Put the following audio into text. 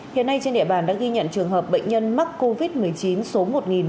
hiện nay trên địa bàn đã ghi nhận trường hợp bệnh nhân mắc covid một mươi chín số một nghìn một trăm ba mươi tám